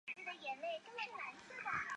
日本陆上自卫队在此设有上富良野基地。